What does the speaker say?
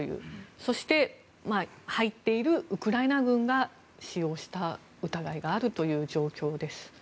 そして入っているウクライナ軍が使用した疑いがあるという状況です。